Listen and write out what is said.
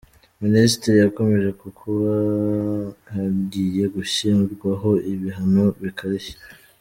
Minisitiri yakomoje ku kuba hagiye gushyirwaho ibihano bikarishye.